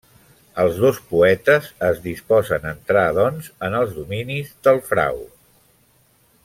Els dos poetes es disposen a entrar doncs en els dominis del Frau.